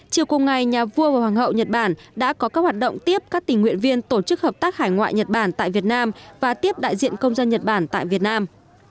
chiều cùng ngày nhà vua và hoàng hậu nhật bản đã có các hoạt động tiếp các tình nguyện viên tổ chức hợp tác hải ngoại nhật bản tại việt nam và tiếp đại diện công dân nhật bản tại việt nam